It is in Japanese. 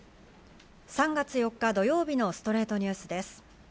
３月４日土曜日の『ストレイトニュース』です。